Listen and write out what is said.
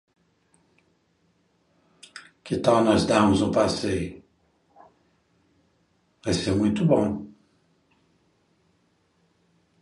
Consulte mais informações sobre citação em nossa página de diretrizes.